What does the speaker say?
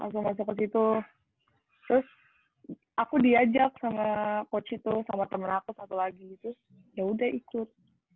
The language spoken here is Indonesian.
langsung masuk ke situ terus aku diajak sama coach itu sama temen aku satu lagi gitu yaudah ikut